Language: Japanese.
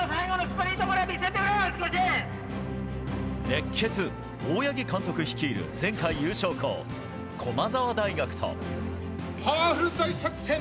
熱血・大八木監督率いる前回優勝校、駒澤大学と。